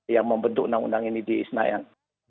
yang membentuk undang undang ini di isna yang